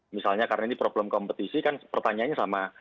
misalnya karena ini problem kompetisi kan pertanyaannya sama